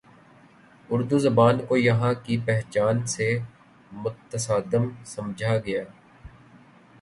اردو زبان کو یہاں کی پہچان سے متصادم سمجھا گیا